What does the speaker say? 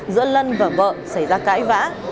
giữa lân và vợ xảy ra cãi vã